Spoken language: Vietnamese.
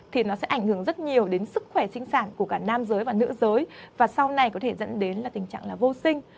thì nó sẽ ảnh hưởng rất nhiều đến sức khỏe sinh sản của cả nam giới và nữ giới và sau này có thể dẫn đến là tình trạng là vô sinh